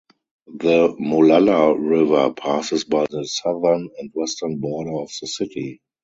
The Molalla River passes by the southern and western border of the city.